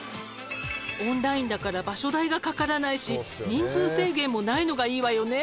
「オンラインだから場所代がかからないし人数制限もないのがいいわよね。